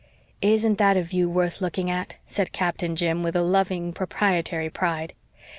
"Isn't that a view worth looking at?" said Captain Jim, with a loving, proprietary pride.